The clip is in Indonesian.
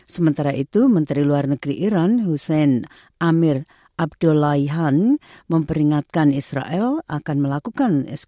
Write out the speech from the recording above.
sementara itu menteri luar negeri iran hussein amir abdullahihan memperingatkan israel akan melakukan